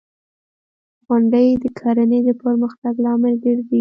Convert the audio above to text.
• غونډۍ د کرنې د پرمختګ لامل ګرځي.